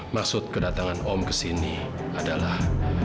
maksud kedatangan om ke sini adalah